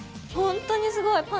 ほんとにすごい。